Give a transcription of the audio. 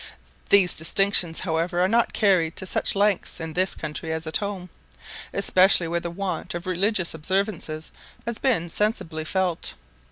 These distinctions, however, are not carried to such lengths in this country as at home; especially where the want of religious observances has been sensibly felt.